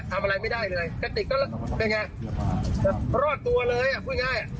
ทำอะไรไม่ได้เลยกระติกก็เป็นไงรอดตัวเลยอ่ะพูดง่าย